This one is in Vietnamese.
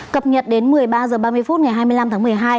cập nhật đến một mươi ba h ba mươi phút ngày hai mươi năm tháng một mươi hai